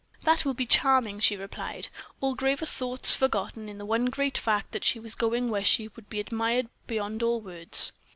"That will be charming," she replied, all graver thoughts forgotten in the one great fact that she was going where she would be admired beyond all words.